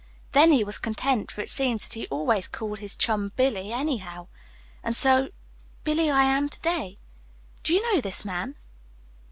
Then he was content, for it seems that he always called his chum 'Billy' anyhow. And so 'Billy' I am to day." "Do you know this man?"